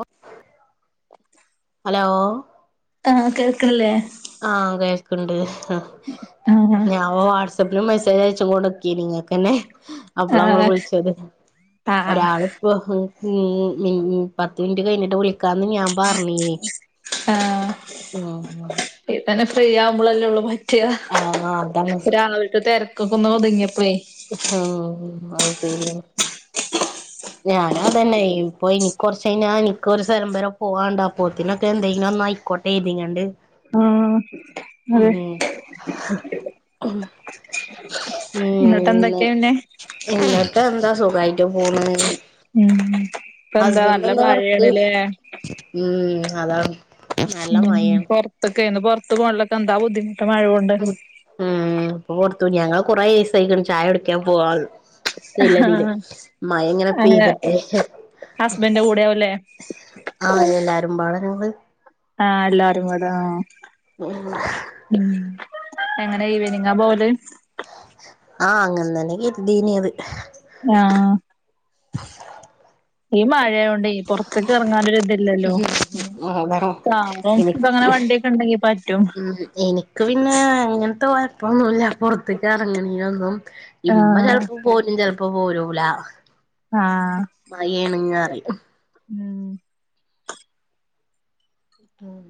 O hello ആഹ് കേൾക്കണില്ലേ ആഹ് കേൾക്ക്ണ്ട്. ആഹ് ഞാം വാട്ട്‌സ് മെസേജ് അയച്ച് കൊടെക്കിങ്ങക്കനെ നിങ്ങൾക്കുതന്നെ അപ്പളാ ങ്ങള് ആഹ് വിൾച്ചത്. ആഹ് ഒരാള്പ്പൊ ഹു ഹൂം ഉം ഉം പത്ത് മിനിറ്റ് കഴിഞ്ഞിട്ട് വിളിക്കാന്ന് ഞാം പറഞ്ഞീനി ആഹ് ഊം. ഉം ഇത് തന്നെ ഫ്രീ ആവുമ്പോളല്ലേള്ളൂ പറ്റിയ ആഹ് അതാണ് രാവിലത്തെ തിരക്കും. ഇതൊക്കെ ഒന്ന് ഒതിങ്ങ്യേപ്പെ. ഉം അത് ശരിയാണ് ഞാനു അതെന്നയ്യി പ്പൊ നിക്കൊർച്ചയിഞ്ഞാ നിക്കൊരു സലം വരെ പോവാൻണ്ടാപ്പൊൾ ത്തിനൊക്കെ ന്തെങ്കിലൊന്നായ്ക്കോ എഴ്തി ങ്ങാണ്ട് ആഹ് അതെ എന്നിട്ട് എന്തൊക്കെയാ പിന്നെ [unintelligible] എന്നിട്ട് എന്താ സുഖായിട്ട് പോണ് അങ്ങനെ. ഊം പ്പന്താ നല്ല മഴയാണ്ല്ലേ? [inaudible] ഊം. അതാണ് നല്ല ഉം മഴയാണ് പുറത്തൊക്കെയന്ന് പുറത്ത് പോകണൊക്കെ എന്താ ബുദ്ധിമുട്ട് മഴകൊണ്ട് ഉം ആഹ് അപ്പൊ ഓർത്തു ഞങ്ങള് കൊറെേ ദിവസം ആയി ചായ കുടിക്കാൻ പോവാള്ള നല്ലതില് ആഹ് മഴ എങ്ങനെ പെയ്തിട്ടെ ഹസ്ബൻന്റെ കൂടെയാവുല്ലെ? ആ എല്ലാരും പാഠഞങ്ങൾ ആ എല്ലാരും പാടെ ആഹ് ഉം ഉം എങ്ങനെ ഈവനിങ്ങ പോവല് ആ അങ്ങൻ തന്നെ കെരതീനിയെത്. ആഹ് ഈ മഴയോണ്ടെ പോർത്ത്ക്ക് എർങ്ങാനോരു ഇതില്ലല്ലോ അതാണ് ആ അതെ എൻക്ക്പ്പോ അങ്ങനെ വണ്ടിയോക്കെ ഉണ്ടെങ്കി പറ്റും മ്മ് എനിക്ക് പിന്നെ അങ്ങനത്തെ കുഴപ്പോന്നുല്ല പുറത്തെക്ക് എറെങ്ങണെനോന്നും ഇമ്മ ആഹ് ചെലപ്പം പോരും ചെലപ്പം പോരൂല്ല ആഹ് മഴ ആണ്ന്ന് പറയും മ്മ് ഉം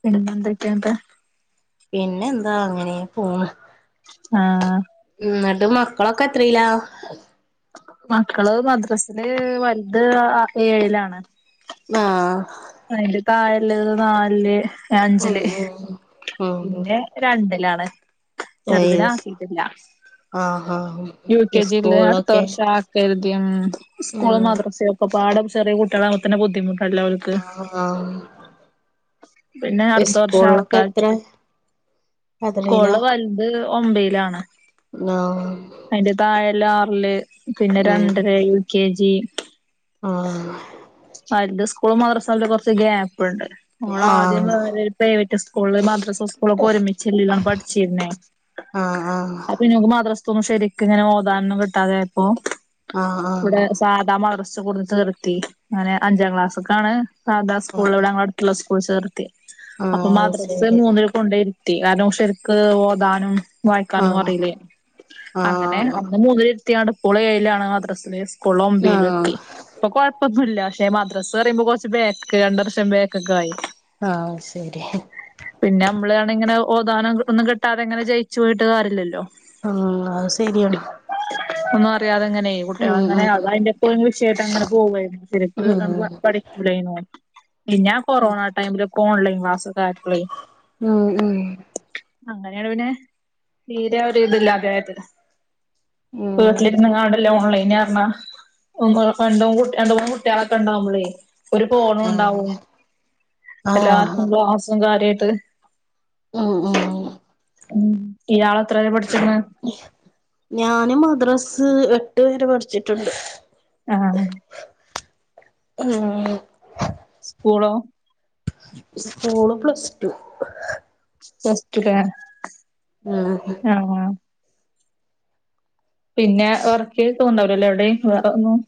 പിന്നെ എന്തക്കെണ്ട് പിന്നെ എന്താ അങ്ങനെ പോണ് ആഹ് എന്നട്ട് മക്കളൊക്കെ എത്രെയിലാ മക്കൾ മദ്രസില് വലുത് ആ ഏഴിലാണ് ആഹ് അയിന്റെ തായെയുള്ളത് നാലില് ഉം അഞ്ചില് ഉം ഉം ഉം പിന്നെ രണ്ടിലാണ് ആ ചെറുതിനെ യെസ് ആക്കിട്ടില്ല ആഹ് യു ആഹ് കെ ജില് അടുത്ത സ്കൂളിലൊക്കെ വർഷം ആ ദ്യം സ്കൂളും ഉം മദ്രസേം ഒക്കെ പാടം ചെറിയ കുട്ടിയളാവുമ്പതന്നെ ബുദ്ധിമുട്ടല്ലെ അവർക്ക് ആഹ് പിന്നെ അടുത്ത വർഷം സ്കൂൾലോക്കെ ആക്കാച്ചു എത്ര [unintelligible] വല്ത് ഒമ്പയിലാണ് അള്ളാ അയിന്റെ താഴെള്ളെ ആർല് പിന്നെ ഉം രണ്ട് പേര് യു കെ ജി ആഹ് അവർത് സ്കൂള് മദ്രസെല്ല കുറച്ച് ഗ്യാപ്പുണ്ട് [unintelligible] ആദ്യം ആഹ് വെറോരു പ്രൈവറ്റ് സ്കൂൾല് മദ്രാസ സ്കൂളോക്കെ ഒരുമിച്ചല്ലാണ് പഠിച്ചിരുന്നെ ആഹ് ആഹ് ആഹ് പിന്നെ ഓക് മദ്രസ്ത്തെ ഒന്നും ശെരിക്ക് ഇങ്ങനെ ഓദാനോന്നും കിട്ടാതെ ആയപ്പോ ആഹ് ആഹ്. സാദാ മദ്രസ് കോണ്ടുന്നു ചെർത്തി അങ്ങനെ അഞ്ചാം ക്ലാസ്ക്ക് ആണ് സാധ ആഹ് ആഹ് സ്കൂൾള്ള ഞങ്ങള അടുത്ത് ക്കളെ സ്കൂൾ ചെർത്തി ആഹ് അപ്പോ ആഹ് മദ്രസ ശരി മൂന്നിൽ കോണ്ടെയിര്ത്തി കാരണം ശരിക്ക് ഓതാനും വായിക്കാനോന്നും ആഹ് അറിയില്ലെ അങ്ങനെ ആഹ് അന്ന് മൂന്നിലിരുത്തിയാണ് ഇപ്പോൾ ഏയിലാണ് മദ്രസ് ല് പുള്ളൊമ്പേയിലെത്തി ആഹ് ഇപ്പോ കോയ പ്പം ഒന്നുല്ല പക്ഷെ മദ്രസ് പറയുമ്പോ കുറച്ച് രണ്ടുവർഷം ബാക്ക്ക്കായി ആഹ് ശരിഹ് പിന്നെ മ്മള് ആണിങ്ങനെ ഓതാനും ഒന്നും കിട്ടാതെ ഇങ്ങനെ ജയിച്ചു പോയിട്ട് കാര്യല്ലാല്ലോ. ആഹ് അത് സരിയാണ് ഒന്നും അറിയതെങ്ങനെയി കുട്ടികൾ അങ്ങനെയ ഉം അത് അതിന്റെ എപ്പോഴും വിഷയായിട്ട് അങ്ങനെ പോവയിരുന്നു. ഉം [unintelligible] പിന്നാ കോറോണ ടൈമില്. പ്പോ ഓൺലൈൻ ക്ലാസോക്ക ആയിപ്പളെ ഉംഉം അങ്ങനെയാണ് പിന്നെ തീരെ ഒരു ഇതില്ലാതയെത്. ഉം വീട്ടിലിരുന്ന്കാണ്ട്ള്ള ഓൺലൈൻ കാരണ [unintelligible] ട്ടിയോളോക്കെ ഉണ്ടാവുമ്പോളെ ഒരു ആഹ് ഫോണുണ്ടാവും എല്ലാർക്കും ആഹ് ക്ലാസ്സും കാര്യായിട്ട്. ഉം ഉം ഉം. ഇയാള് എത്ര വരെ പഠിച്ചിക്ക്ണ് ഞാന് മദ്രസ് എട്ട് വരെ പഠിച്ചിട്ടുണ്ട്. ആഹ് ഉം സ്കൂളോ? സ്കൂള് പ്ലസ്ടു പ്ലസ്റ്റു കെ ഉം ഹും ആഹ് പിന്നെ ഒറക്കി തോന്നുണ്ടാവൂലലേ എവിടെയും വെറെന്നും.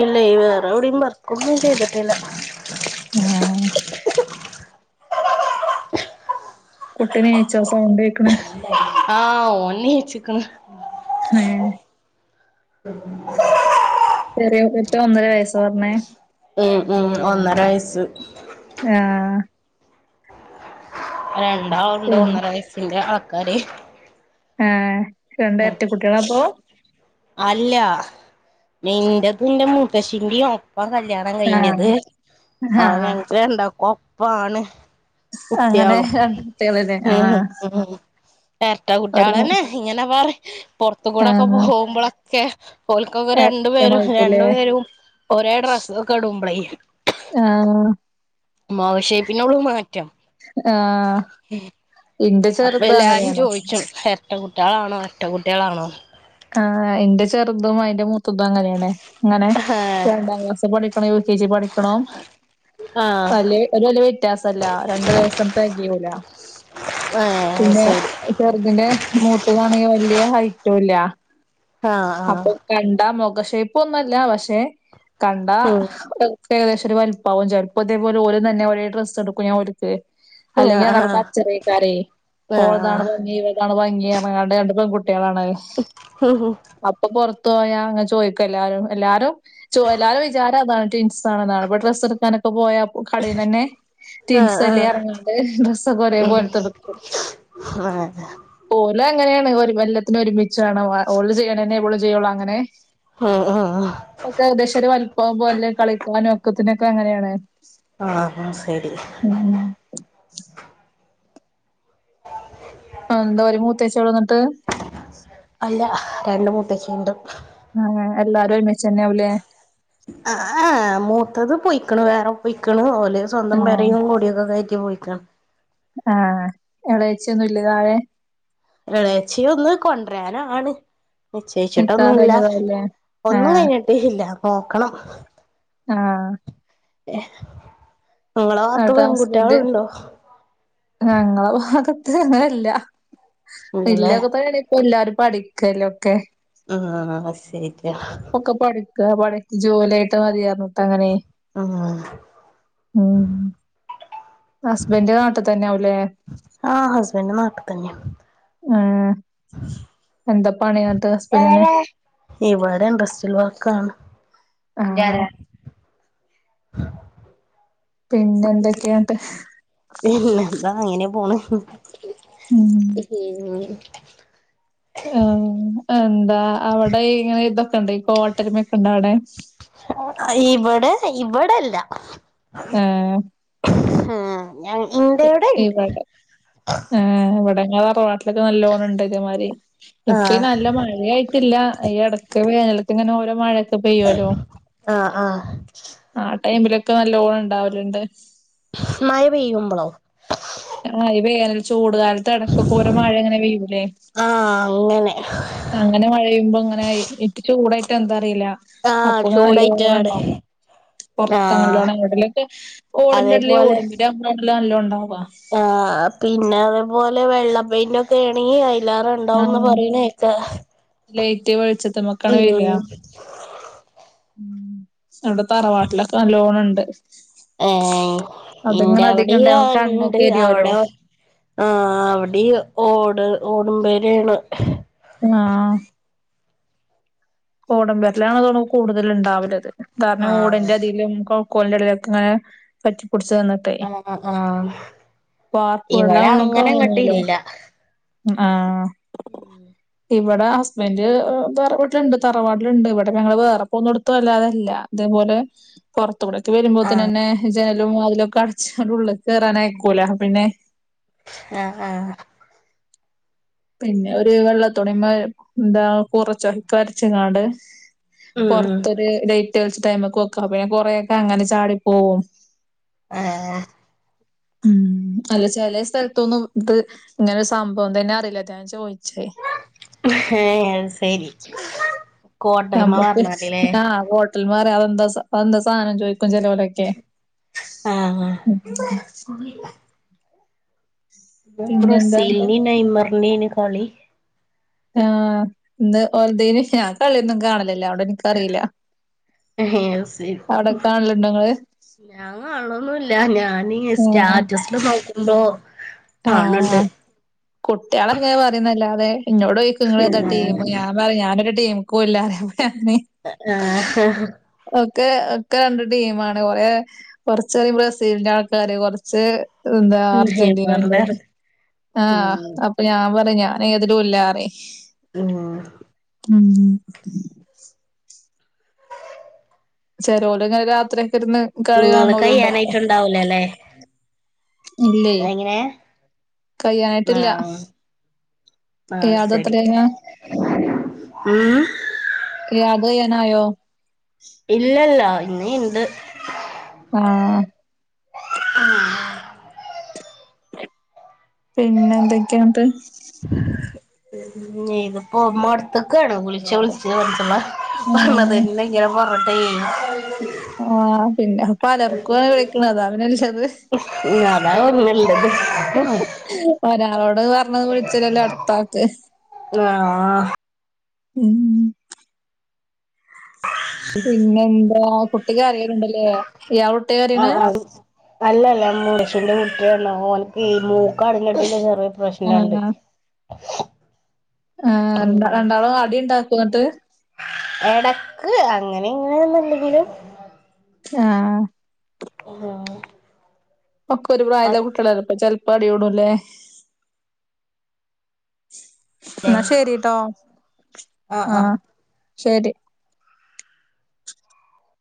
ഇല്യേയ് വെറെവിടെം വർക്കൊന്നും ചെയ്തിട്ടില്ല. ആഹ് കുട്ടിനീച്ചോ സൗണ്ടെക്ക്ണ് [unintelligible] ആഹ് ഓൻ നീച്ച്ക്ക്ണ്. ഏഹ് [inaudible] ചെറിയ കുട്ടി ഒന്നര വയസ്സ് പറഞ്ഞേ ഉം ഉം ഒന്നര വയസ് ആഹ് രണ്ടാളുണ്ട് പിന്നെ ഒന്നര വയസ്സിന്റെ ആൾക്കാര്ഹ് ആഹ് രണ്ട് എരട്ട കുട്ടികളാ അപ്പൊ [unintelligible] അല്ല. നിന്റെതന്റെ മുതശീന്റെയും ഒപ്പം കല്യാ ണം കഴിഞ്ഞത് ആഹ് ആഹ് ഞങ്ങക്ക് രണ്ടാകൊപ്പാണ്. അങ്ങനെ കുട്ട്യെളും രണ്ട് കുട്ടികളല്ലേ ഹും ആഹ് ഹും ഹും എരട്ട ഒരു കുട്ട്യെളെന്നെ ഇങ്ങനെ. വേറെ പെറത്ത് കൂടെക്കെ ആഹ് പോകുമ്പോളൊക്കെ. ഒൽക്കൊക്കെ രണ്ടു പേരും രണ്ടു ആയിരിക്കണായിരിക്കുംല്ലേ പേരും ഒരേ ഡ്രസ് ഒക്കെടുമ്പളെ. ആഹ് മുഖഷൈപ്പിന് ഒള്മാറ്റം. ആഹ് ഇന്റെ ചെറുതു അങ്ങനെയാണ്. ഒറ്റ കുട്ടികളാണോ എരട്ട കുട്ടികളാണോ? ആഹ് ഇന്റെ ചെറുതും അയിന്റെ മൂത്തതും അങ്ങനെയാണ്. ങ്ങനെ ആഹ് രണ്ടാം ക്ലാസ് പഠിക്കണെ യു കെ ജി പഠിക്കണം ആഹ് അല്ലേ ഒരു വല്യ വ്യത്യാസല്ല രണ്ടു വയസ് തെകയൂല. ഏഹ് അഅ്സരി. ചെറുതിന്റെ മൂത്താണെങ്കി വല്യ ഹയ്റ്റുല്ല. ആഹ് ആഹ് അപ്പൊ കണ്ട മുഖ ഷൈപ്പ്ന്നുല്ല പക്ഷെ കണ്ട ഉം ക്കെ ഏകദെശ ഒരു വലിപ്പാവും. ചെൽപ്പോ ഇതെപോല ഓരും ത്തന്നെ ഒരേ ഡ്രസ് ഇട്ക്കും. ഞങ്ങളൊരു ച്ച് ആഹ് അല്ലെങ്കിയതവ്ടെ ആഹ് കച്ചറയിക്കാരെ ഓൾതാണ് ആഹ് ഭംഗി ഇവര്താ ഇതാണ് ഭംഗി പറഞ്ഞ് ങ്ങാണ്ട് രണ്ട് പെൺകുട്ടികളാണത്. ഹും ഹും അപ്പൊ പെറത്ത് പോയാ അങ്ങെ ചോയ്ക്കല്ലാരും എല്ലാരും. ചോ എല്ലാരം വിചാരം അതാണ് റ്റിൻസാണ് എന്നാണ് ഇപ്പൊ ഡ്രസ്സ് എടുക്കാനൊക്കെ പോയാ കടേന്നന്നെ. ആഹ് റ്റ്വിൻസല്ലെ ആഹ് ർഞ്ഞാണ്ട് ഡ്രസ്സൊക്കെ ഒരേ പോലത്തെ ട്ക്കും. ആഹ് ഹാ ഓലങ്ങനേണ് ഒരു കൊല്ലത്തിനു ഒരുമിച്ചാണ് വ ഓള് ചെയ്യണെന്നെ ഇവളും ജ്ജെയൊള്ള അങ്ങനെ അഹ് അഹ് ആഹ് ഒക്കെ ഏകദേശം ഒരു വല്പ്പം പോലെ കളിക്കാനും ഒക്കത്തിനൊക്കെ അങ്ങനേണ്. ആ ഇന്നാ സരി. ഉം [inaudible] ആ എന്താ ഒരു മൂത്തച്യള്ളു ഇന്നട്ട്. അല്ല രണ്ടുമൂത്തചിണ്ട്. ആ എല്ലാരും ഒരുമിച്ചെന്നാവു ല്ലെ. ആ ഏഹ മൂത്തത് പോയിക്ക്ണ് വേറെ പോയിക്ക്ണ് [unintelligible] ല്ലേര് സ്വന്തം ആഹ് പെരിം കുടിയൊക്കെ കയറ്റി പോയിക്കാണ് ഏഹ് എളേച്ച്യൊന്നുംല്ലെ താഴെ എളച്ചിയൊന്ന് കൊണ്ടരാനാണ് നിക്കാഹ് നിശ്ചയിച്ചിട്ടൊന്നുല്ലാ. കഴിഞ്ഞതാവുല്ലേ? ഒന്നും ആഹ് കഴിഞ്ഞിട്ടി ഇല്ല. നോക്കണം ആഹ് ങ്ങളെ ഭാത്ത് ന്നട്ട് ഹസ്ബന്റ് പെൺകുട്ട്യാൾണ്ടോ ഞങ്ങളെ ഭാഗത്ത് ങ്ങനെല്ല. ഇല്ലല്ലേ ഇല്ലൊക്കെ പ്പ പ്പെ എല്ലാരും പഠിക്കല്ലെ ഒക്കെ ആഹ് ആഹ് ആഹ് അസെര്യാ ഇപ്പൊക്കെ പഠിക്കാ പടിച്ച് ജോല്യായിട്ട് മതിയർഞ്ഞിട്ടങ്ങനെ ആഹ് ഹസ്ബന്റ് നാട്ടി തന്നെ ആവും ലേ ആഹ് ഹസ്ബൻഡ് നാട്ടി തന്ന്യാ ആഹ് എന്താപണി ങ്ങട്ട് ഹസ്ബന്റിന്? ഇവടെ ഇൻട്രസ്റ്റീൽ വർക്കാണ് ന്റെ ആഹ് [unintelligible] പിന്നെന്തൊക്കെയാ ട്ട് ഇതാ അങ്ങനേ പോണ് ഉം പിന്നെ ആഹ് എന്താ അവ്ടെ ഈ ങ്ങനെ ഇതൊക്കെണ്ടോ ഈ കോട്ടെര്മൊക്കെണ്ടോ ആടെ ഇവടെ ഇവടെല്ല. ഏഹ് ഏഹ് ഞങ്ങ്ഈ ഇവടെ ആഹ് ഇവടെങ്ങളെ തറവാട്ടിലൊക്കെ നല്ലോണണ്ട് ഇതേമാരി ആ ഇപ്പ ഈ നല്ല മഴയായിട്ടില്ല ഈ എടക്ക് വേനല്ക്ക് ങ്ങനെ ഓരോ മഴൊക്കെ പെയ്യോല്ലോ ആഹ് ആഹ് ആ ടൈമിലൊക്കെ നല്ലോണം ണ്ടാവല്ണ്ട്. മഴ പെയ്യുമ്പളോ ആഹ് ഈ വേനൽ ചൂട്കാൽത്തോരോ പ്പൊക്കോരോ മഴ ങ്ങനെ പെയ്യൂലേ ആഹ് അങ്ങനെ അങ്ങനെ മഴയുമ്പോ അങ്ങനെ ഇട്ട് ചൂടായിട്ട് എന്താ അറിയില്ല ആഹ് സപ്പോന്ന് നല്ലോണം ചൂടായിട്ടാണ് ഉണ്ടാവും ആഹ് പൊർത്തങ്ങല്ലടെവ്ടേലൊക്കെ ഓട്ന്റെ ട്ല് അതേപോലെ ഓട്മ്മ [unintelligible] നല്ലോ ണ്ടാവു ആഹ് ആഹ് പിന്നെ അതേപോലെ വെള്ളപ്പെയിന്റൊക്കേണെങ്കി അയ്ലേറെ ണ്ടാവുംന്ന് ആഹ് പറിണേക്കാ ലൈറ്റ് വെള്ച്ചത്ത്മ്മക്കാണ് വെരാ അവ്ടെ തറവാട്ടിലൊക്കെ നല്ലോണം ണ്ട് ഏഹ്. അധികം ഇന്റവ്ടിം ഇണ്ടായ ആ ണ്ട്. കണ്ണൊക്കെ എരിയോലോ. അവ്ടെ ആഹ് അവ്ടി ഓട് ഓടുമ്പരേണ് ആഹ് ഓടമ്പരേലാണത് കൂടുതൽ ഉണ്ടാവലത് കാരണം ആഹ് ഓടന്റെ അതില് [unintelligible] കോലിന്റെടേലേക്ക് ഇങ്ങനെ പറ്റിപ്പടിച്ച് പ്പേ ആഹ് ആഹ് പാർപ്പ് വെള്ളം ഇവിടെ ആണോ അങ്ങനെങ്ങട്ട് കണല് ഇല്ല ആഹ് ഇവിടെ ഹസ്ബൻഡ് വേറെ വീട്ടിലുണ്ട് തറവാട്ടിലുണ്ട് ഇവിടെ ഞങ്ങള് വേറെ പോവുന്നടുത്തും വല്ലാതല്ല അതേപോലെ പുറത്ത് കൂടൊക്കെ ആഹ് വരുമ്പോതനന്നെ ജനലും അതിലൊക്കെ അടച്ച് ഉള്ളിൽക് കേറാൻ അയിക്കൂല പിന്നെ ആഹ് ആഹ് പിന്നെ ഒരു വെള്ള തുണീമേ എന്താ കൊറച്ച് എടുത്തരച്ചങ്ങാണ്ട് ഉം ഉം പൊറത്തൊരു ഡേറ്റൈസ് ടൈമൊക്കെ വെക്ക് പിന്നെ കൊറെേയൊക്കെ അങ്ങനെ ചാടി പോവും ഹെഹെ ഉം അല്ല ചെലേ സ്ഥലത്തൊന്നും ഇത് ഇങ്ങനൊരു സംഭവം തന്നെ അറിയില്ല റ്റാ ഞാൻ ചോദിച്ചേ ഹേ അത്ശരി നമ്മക്ക് ആ [unintelligible] സൽവാറോ അതെന്താ അതെന്താ സാധനം ചോദിക്കും ചെലൊലൊക്കെ ആഹ് ന്ന് പിന്നെന്താണ്ട് ബ്രസിലിൻ്റെം നയ്മറിൻ്റേണ് കളി ആഹ് ഇന്ന് ഓര്തയ്ന് ഞാൻ കളിയൊന്നും കാണലില്ല അവിടെ അറിയില്ല അവിടെ കാണലിണ്ടൊ ഇങ്ങള് ഞാൻ കാൺളൊന്നുല്ല ഞാന് ഏഹ്. സ്റ്റാറ്റസില് നോക്കുമ്പോ ആഹ് കാണണ്ട് കുട്ട്യാൾ അങ്ങനെ പറയുന്നല്ലാതെ ഇന്നോട് ചൊയിക്കും ഇങ്ങള് ഏതാ ടീമ് ഇന്നോഡ് ഞാൻ പറയും ഞാനൊരു ടീമുകൂല്ല [unintelligible] ആഹ് ഒക്കെ ഒക്കെ രണ്ട് ടീമാണ് കൊറെ കുറച്ചേര് ബ്രസീലിന്റെ ആൾക്കാര് കുറച്ച് എന്താ അർജന്റീ ൻ്റീനൻ്റെ നെയ്മറിന്റെ ആഹ് ഉം അപ്പൊ ഞാൻ പറയും ഞാൻ ഏതിലും ഇല്ലാറിയും അഹ് ഉം ചരോല് ഇങ്ങനെ രാത്രി ഒക്കെ ഇരുന്ന് ഇങ്ങള് കളികാണോലുണ്ടല്ലോ കയ്യാനായിട്ടുണ്ടാവൂലല്ലേ ഇല്ലേ എങ്ങനെ കഴ്യനായിട്ടില്ല ആഹ് ആഹ് ഇയാളത് ശരി എത്രേല ഉം ഇയാളത് കഴിയനായോ ഇല്ലല്ല ഇന്ന് ഇണ്ട് ആഹ് [inaudible] പിന്നെ എന്തൊക്കെയുണ്ട് പിന്നെ ഇതിപ്പോകുമ്പോ അടുത്തക്കെയാണോ വിളിച്ച് വിളിച്ച് [unintelligible] ഉം പറഞ്ഞതന്നെ ഇങ്ങനെ പറഞ്ഞിട്ട് [unintelligible] ആഹ് പിന്നെ പലർക്കു അനുഭവിക്കണ അതാ അതിനനുസരിച്ചത് താവും നല്ലത് ഒരാളോട് പറഞ്ഞത് വിളിച്ചിലല്ലോ അടുത്താക്ക് ആഹ് ഉം പിന്നെ എന്താ കുട്ടി കരിയണിണ്ടല്ലേ ഇയാ ആഹ് ആഹ് അല്ല അല്ല [unintelligible] ന്റെ കുട്ടിയാണ് ഓന്ക്ക് മൂക്ക് അടഞ്ഞിട്ടിന്റെ ചെറിയ പ്രശ്നുണ്ട് ആഹ് ആഹ് രണ്ടാളും അടി ഉണ്ടാക്കൊന്നിട്ട് എടക്ക് അങ്ങനെ ഇങ്ങനൊന്നും ഇല്ലെങ്കിലും ആഹ് ഹലോ ഒക്കൊരു പ്രായല്ല കുട്ട്യേളല്ലേ അപ്പൊ ചെലപ്പ അടി കൂടൂല്ലേ ന്നാ ശരിട്ടോ ആ ആ ആഹ് ശരി